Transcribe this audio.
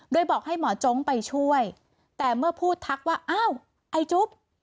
โดยบอกให้หมอโจ๊กไปช่วยแต่เมื่อพูดทักว่าอ้าวไอ้จุ๊บ